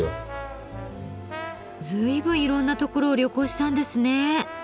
随分いろんなところを旅行したんですね。